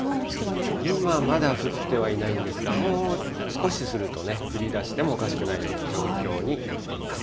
今まだ降ってはいないんですが、もう少しするとね、降りだしてもおかしくないような状況になっています。